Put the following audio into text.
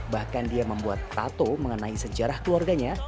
bahkan dia membuat tato mengenai sejarah keluarganya